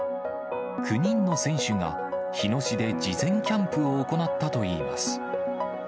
９人の選手が日野市で事前キャンプを行ったといいます。